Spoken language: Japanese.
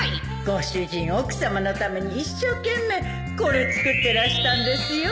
ご主人奥さまのために一生懸命これ作ってらしたんですよ